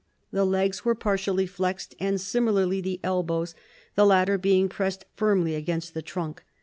The legs were partially flexed, and similarly the elbows, the latter being pressed firmly against the trunk.